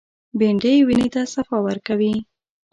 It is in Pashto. بېنډۍ وینې ته صفا ورکوي